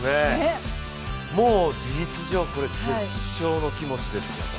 もう事実上、決勝の気持ちです。